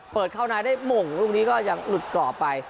เปิดเข้านายได้หม่งลูกนี้ก็ยังหลุดกรอบไป